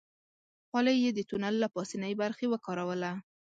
خولۍ يې د تونل له پاسنۍ برخې وکاروله.